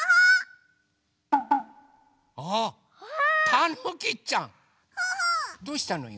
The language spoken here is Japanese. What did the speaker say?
あったぬきちゃん！どうしたのよ？